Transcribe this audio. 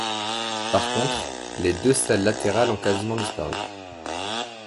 Par contre, les deux salles latérales ont quasiment disparu.